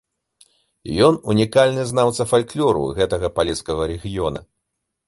Ён унікальны знаўца фальклору гэтага палескага рэгіёна.